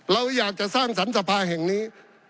เราอยากจะสร้างสรรค์สภาแห่งนี้